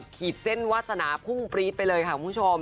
ขีดเส้นวาสนาพุ่งปรี๊ดไปเลยค่ะคุณผู้ชม